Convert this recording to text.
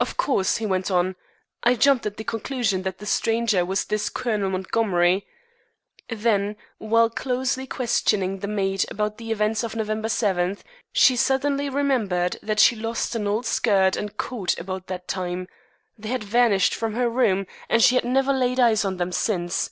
"Of course," he went on, "I jumped at the conclusion that the stranger was this Colonel Montgomery. Then, while closely questioning the maid about the events of November 7, she suddenly remembered that she lost an old skirt and coat about that time. They had vanished from her room, and she had never laid eyes on them since.